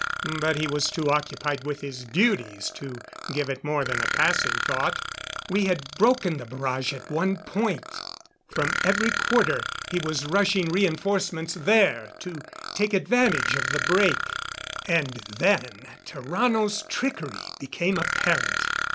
But he was too occupied with his duties to give it more than passing thought. We had broken the barrage at one point ... from every quarter he was rushing reinforcements there to take advantage of the break.... And then Tarrano's trickery became apparent.